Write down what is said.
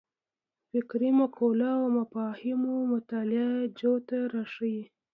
فکري مقولو او مفاهیمو مطالعه جوته راښيي.